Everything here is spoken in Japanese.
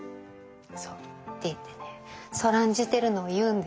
そうって言ってねそらんじてるのを言うんです。